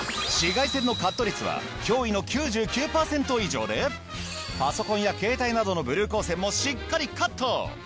紫外線のカット率は驚異の９９パーセント以上でパソコンや携帯などのブルー光線もしっかりカット！